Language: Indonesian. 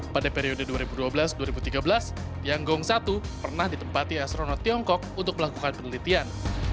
pada periode dua ribu dua belas dua ribu tiga belas tiangong satu pernah ditempati astronot tiongkok untuk melakukan penelitian